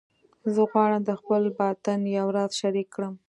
زه غواړم د خپل باطن یو راز شریک کړم